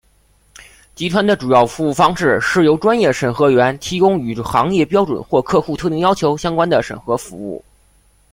集团的主要服务方式是由专业审核员提供与行业标准或客户特定要求相关的审核服务。